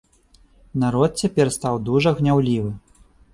Народ цяпер стаў дужа гняўлівы.